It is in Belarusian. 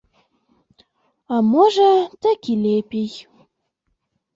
А можа, так і лепей.